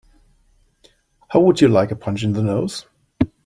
How would you like a punch in the nose?